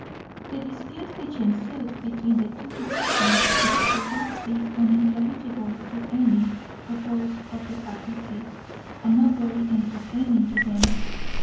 The dispute which ensued between the two physicians would, perhaps, be unintelligible to any but those of the faculty, and not very entertaining to them.